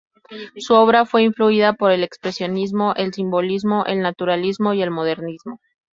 Su obra fue influida por el expresionismo, el simbolismo, el naturalismo y el modernismo.